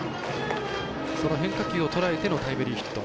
その変化球をとらえてのタイムリーヒット。